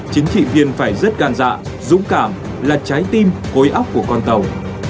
chính trị viên phải rất gan dạ dũng cảm là trái tim gối ốc của con tàu